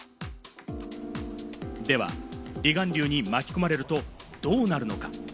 では離岸流に巻き込まれると、どうなるのか？